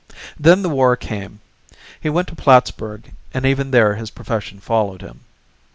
Then the war came. He went to Plattsburg, and even there his profession followed him.